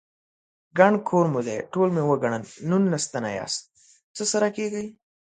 _ګڼ کور مو دی، ټول مې وګڼل، نولس تنه ياست، څه سره کېږئ؟